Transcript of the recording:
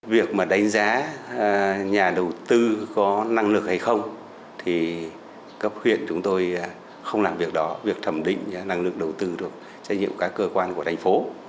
việc mà đánh giá nhà đầu tư có năng lực hay không thì cấp huyện chúng tôi không làm việc đó việc thẩm định năng lực đầu tư được trách nhiệm các cơ quan của thành phố